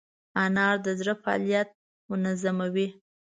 انار د زړه فعالیت منظموي.